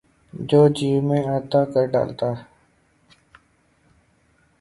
جو جی میں آتا کر ڈالتے۔